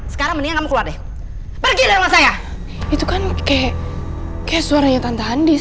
sekarang mendingan keluar deh pergi dengan saya itu kan kayak suaranya tante andis